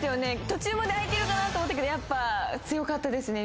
途中までいけるかなと思ったけどやっぱ強かったですね